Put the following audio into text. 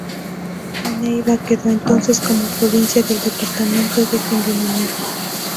Neiva quedó entonces como provincia del departamento de Cundinamarca.